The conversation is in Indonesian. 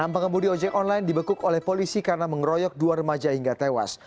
enam pengemudi ojek online dibekuk oleh polisi karena mengeroyok dua remaja hingga tewas